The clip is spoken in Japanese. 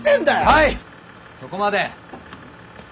はいそこまで！